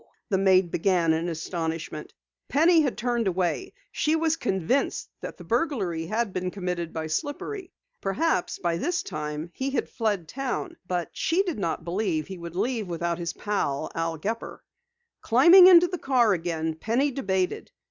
the maid began in astonishment. Penny had turned away. She was convinced that the burglary had been committed by Slippery. Perhaps, by this time he had fled town, but she did not believe he would leave without his pal, Al Gepper. Climbing into the car again, Penny debated.